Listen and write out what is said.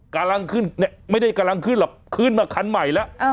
กำลังขึ้นเนี่ยไม่ได้กำลังขึ้นหรอกขึ้นมาคันใหม่แล้ว